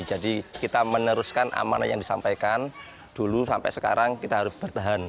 jadi kita meneruskan amanah yang disampaikan dulu sampai sekarang kita harus bertahan